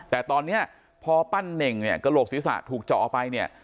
แต่ตอนนี้พอปั้นเน่งเนี่ยกระโหลกศีรษะถูกเจาะไปเนี่ย